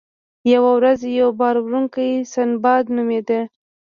یوه ورځ یو بار وړونکی سنباد نومیده.